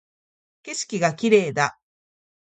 景色が綺麗だ